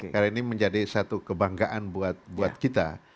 karena ini menjadi satu kebanggaan buat kita